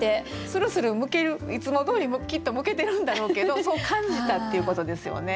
「するする剥ける」いつもどおりきっと剥けてるんだろうけどそう感じたっていうことですよね。